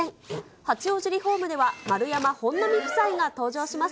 八王子リホームでは、丸山、本並夫妻が登場します。